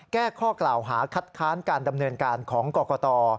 แก้ข้อกล่าวหาคัดค้านการดำเนินการของกรกต